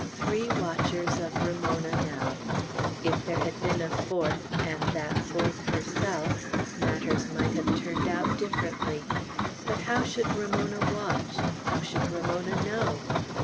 Three watchers of Ramona now. If there had been a fourth, and that fourth herself, matters might have turned out differently. But how should Ramona watch? How should Ramona know?